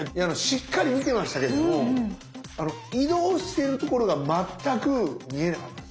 しっかり見てましたけれども移動しているところが全く見えなかった。